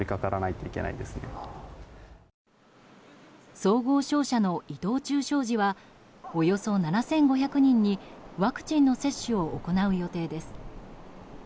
総合商社の伊藤忠商事はおよそ７５００人にワクチンの接種を行う予定です。